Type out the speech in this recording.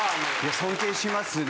尊敬しますね。